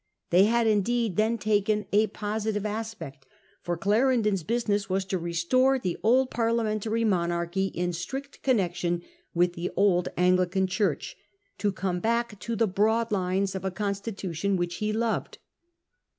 They had indeed then taken a positive aspect ; for Clarendon's business was to restore the old Parliamentary monarchy in strict connection with the old Anglican Church, to come back to the broad lines of a constitution which he loved.